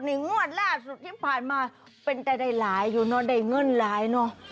นิงวัสดีที่ผ่านมาเป็นใจได้หลายอยู่ได้เงินหลาย